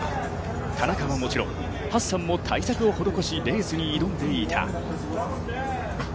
田中はもちろん、ハッサンも対策を施しレースに挑んでいた。